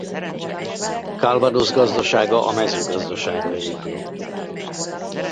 Calvados gazdasága a mezőgazdaságra épül.